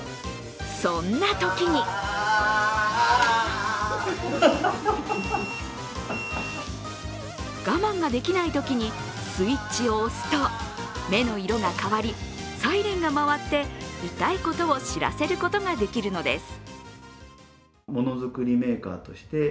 そんなときに我慢ができないときにスイッチを押すと、目の色が変わり、サイレンが回って痛いことを知らせることができるのです。